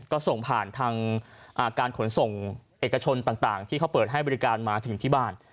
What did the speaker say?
ก็ส่งผ่านทางการขนส่งเอกชนต่างที่เขาเปิดให้บริการมาถึงที่บ้าน